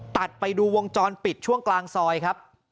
ตัดไปดูวงจรปิดช่วงกลางซอยครับ